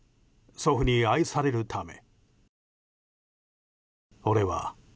祖父に愛されるため。